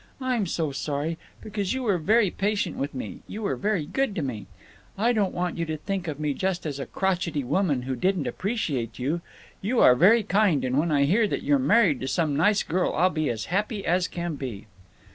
I'm so sorry, because you were very patient with me, you were very good to me. I don't want you to think of me just as a crochety woman who didn't appreciate you. You are very kind, and when I hear that you're married to some nice girl I'll be as happy as can be."